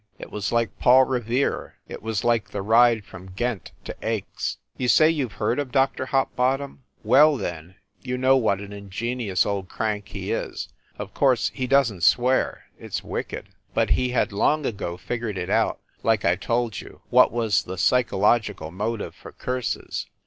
It was like Paul Revere it was like the ride from Ghent to Aix. You say you ve heard of Dr. Hopbottom? Well, then, you know what an ingenious old crank he is. Of course he doesn t swear it s wicked! But he had long ago figured it out, like I told you, what was the psychological motive for curses.